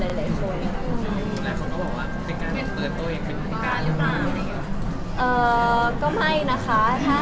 แล้วก็คนก็บอกว่าเป็นการเปิดตู้เองจะเป็นการหรือเปล่า